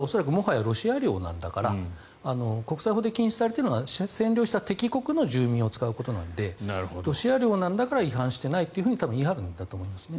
彼らの位置付けとしてはもはやロシア領なんだから国際法で禁止されているのは占領した敵国の住民を使うことなのでロシア領なんだから違反していないと言い張るんだと思いますね。